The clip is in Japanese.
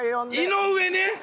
井上ね！